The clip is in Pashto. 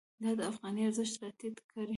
دا د افغانۍ ارزښت راټیټ کړی.